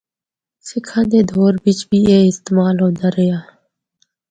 سکھاں دے دور بچ بھی اے استعمال ہوندا رہیا۔